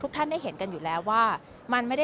ทุกท่านได้เห็นกันอยู่แล้วว่ามันไม่ได้ส่งผลแค่ตัวช่ออย่างเดียว